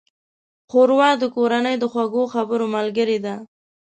ښوروا د کورنۍ د خوږو خبرو ملګرې ده.